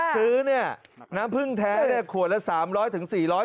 ซื้อเนี่ยน้ำพึ่งแท้เนี่ยขวดละสามร้อยถึงสี่ร้อย